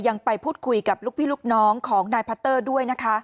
ยังไปพูดคุยกับลูกพี่ลูกน้องของนายพัตเตอร์ด้วยนะคะ